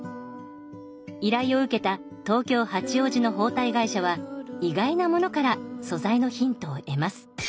依頼を受けた東京・八王子の包帯会社は意外なものから素材のヒントを得ます。